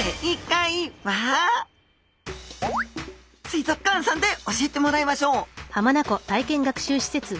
水族館さんで教えてもらいましょう！